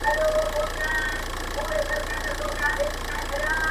نور د منبر څوکو ته مه خېژوه٫